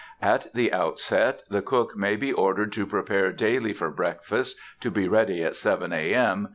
At the outset, the cook may be ordered to prepare daily for breakfast, to be ready at 7 A. M.